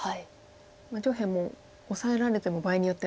上辺もオサえられても場合によっては。